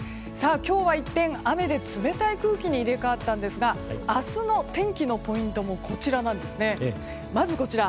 今日は一転雨で冷たい空気に入れ替わったんですが明日の天気のポイントはまず、こちら。